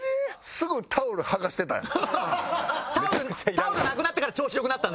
すぐタオル剥がしてたやん。